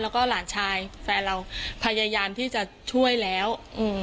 แล้วก็หลานชายแฟนเราพยายามที่จะช่วยแล้วอืม